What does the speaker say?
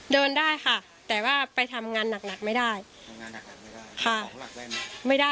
เดินได้ค่ะแต่ว่าไปทำงานหนักหนักไม่ได้ทำงานหนักหนักไม่ได้ค่ะ